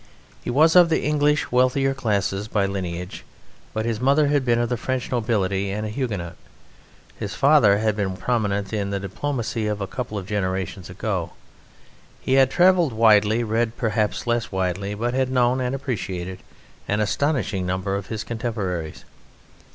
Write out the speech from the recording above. He was of the English wealthier classes by lineage, but his mother had been of the French nobility and a Huguenot. His father had been prominent in the diplomacy of a couple of generations ago. He had travelled widely, read perhaps less widely, but had known and appreciated an astonishing number of his contemporaries.